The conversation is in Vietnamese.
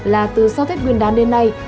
là từ sau tết nguyên đán đến nay